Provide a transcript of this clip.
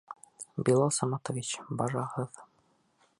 Билал Саматович, бажағыҙ!